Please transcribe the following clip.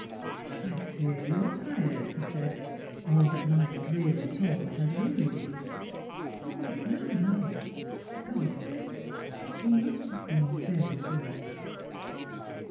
*' I fear you are tired," he said, " or that my dreary talk has wearied you." " No, no ; go on. She must have been very good."